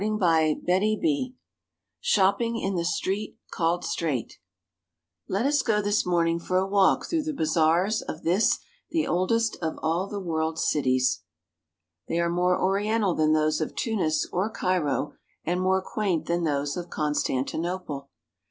213 CHAPTER XXVI SHOPPING IN THE STREET CALLED STRAIGHT Cus go this morning for a walk through the ba zaars of this the oldest of all the world's cities. They are more oriental than those of Tunis or Cairo and more quaint than those of Constan tinople.